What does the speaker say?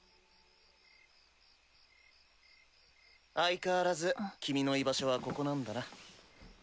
・相変わらず君の居場所はここなんだな。